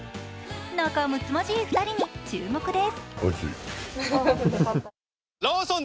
仲むつまじい２人に注目です。